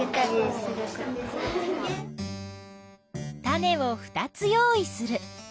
種を２つ用意する。